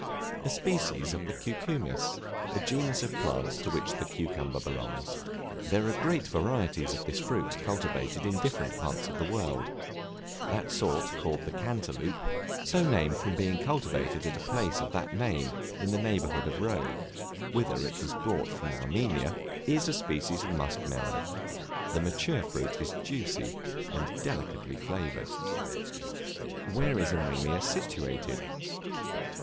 A species of the Cucumis, a genus of plants to which the cucumber belongs. There are great varieties of this fruit cultivated in different parts of the world; that sort called the Cantaleup (so named from being cultivated at a place of that name in the neighborhood of Rome, whither it was brought from Armenia,) is a species of musk melon; the mature fruit is juicy, and delicately flavored. Where is Armenia situated?